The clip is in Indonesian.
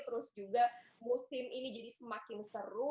terus juga musim ini jadi semakin seru